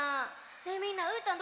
ねえみんなうーたん